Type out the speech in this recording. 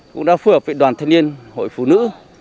cũng đã phù hợp với đoàn thanh niên hội phụ nữ